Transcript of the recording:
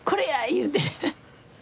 言うて。